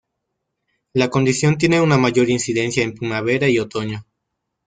La condición tiene una mayor incidencia en primavera y otoño.